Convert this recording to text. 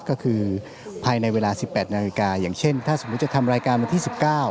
ก็คือภายในเวลา๑๘นาฬิกาอย่างเช่นถ้าสมมุติจะทำรายการวันที่๑๙